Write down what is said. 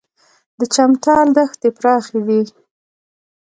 د چمتال دښتې پراخې دي